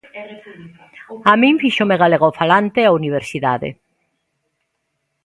A min fíxome galegofalante a Universidade.